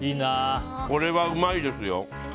これはうまいですよ。